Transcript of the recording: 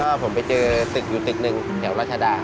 ก็ผมไปเจอตึกอยู่ตึกหนึ่งแถวรัชดา